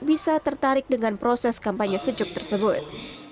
bisa tertarik dengan proses kampanye sejuk tersebut